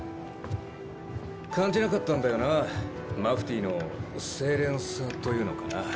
感じなかったんだよなマフティーの清廉さというのかな。